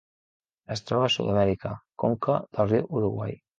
Es troba a Sud-amèrica: conca del riu Uruguai.